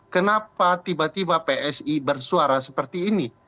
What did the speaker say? kenapa tiba tiba psi bersuara seperti ini